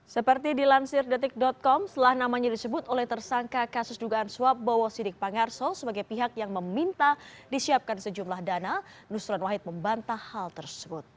seperti dilansir detik com setelah namanya disebut oleh tersangka kasus dugaan suap bowo sidikpangarso sebagai pihak yang meminta disiapkan sejumlah dana nusron wahid membantah hal tersebut